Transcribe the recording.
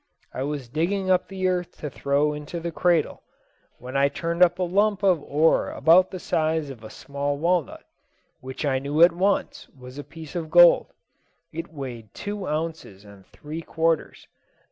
I was digging up the earth to throw into the cradle, when I turned up a lump of ore about the size of a small walnut, which I knew at once was a piece of gold. It weighed two ounces and three quarters.